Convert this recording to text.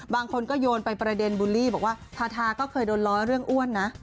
บางคนก็โยนไปประเด็นบูลลี่บอกว่าทาทาก็เคยโดนร้อยเรื่องอ้วนนะ